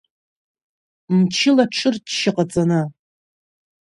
Мчыла ҽырчча ҟаҵаны!